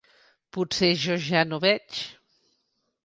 Potser jo ja no veig.